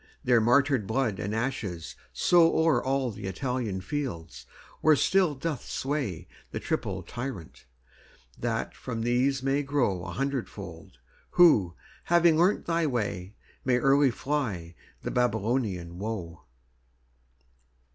Their martyred blood and ashes sowO'er all the Italian fields, where still doth swayThe triple Tyrant; that from these may growA hundredfold, who, having learnt thy way, Early may fly the Babylonian woe.